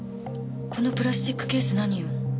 このプラスチックケース何よ。